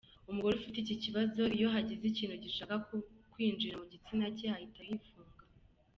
Umugore ufite iki kibazo, iyo hagize ikintu gishaka kwinjira mu gitsina cye hahita hifunga.